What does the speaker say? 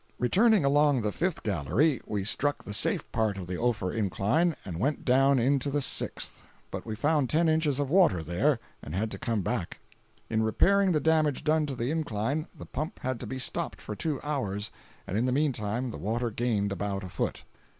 Returning along the fifth gallery, we struck the safe part of the Ophir incline, and went down it to the sixth; but we found ten inches of water there, and had to come back. In repairing the damage done to the incline, the pump had to be stopped for two hours, and in the meantime the water gained about a foot.